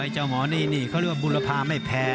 เจ้าหมอนี่นี่เขาเรียกว่าบุรพาไม่แพ้